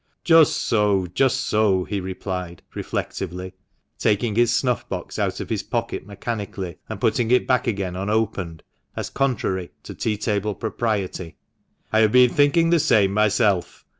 "Just so, just so," he replied, reflectively, taking his snuff box out of his pocket mechanically, and putting it back again 146 THE MANCHESTER MAN. unopened, as contrary to tea table propriety ;" I have been thinking the same myself.